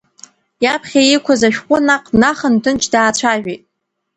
Иаԥхьа иқәыз ашәҟәы наҟ днахан, ҭынч даацәажәеит…